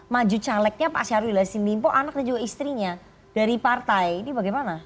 maju calegnya pak syahrul yassin limpo anak dan juga istrinya dari partai ini bagaimana